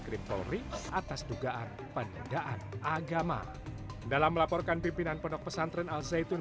krim polri atas dugaan penidaan agama dalam melaporkan pimpinan pondok pesantren al zaitun